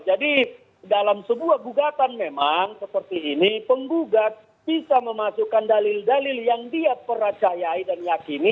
jadi dalam sebuah gugatan memang seperti ini penggugat bisa memasukkan dalil dalil yang dia percaya dan yakini